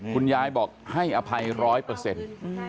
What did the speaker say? คุณยายบอกให้อภัยร้อยเปอร์เซ็นต์